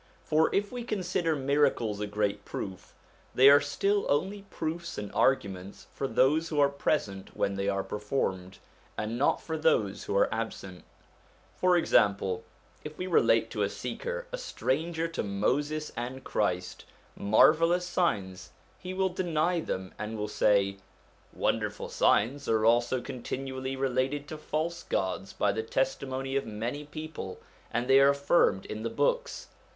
For, if we consider miracles a great proof, they are still only proofs and arguments for those who are present when they are performed, and not for those who are absent. For example, if we relate to a seeker, a stranger to Moses and Christ, marvellous signs, he will deny them 116 116 SOME ANSWERED QUESTIONS and will say :* Wonderful signs are also continually related of false gods by the testimony of many people, and they are affirmed in the Books.